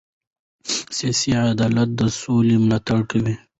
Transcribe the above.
سیاسي عدالت د سولې ملاتړ کوي